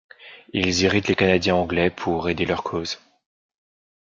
Ils irritent les Canadiens anglais pour aider leur cause.